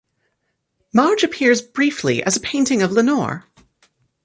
Marge appears briefly as a painting of Lenore.